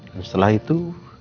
dan setelah itu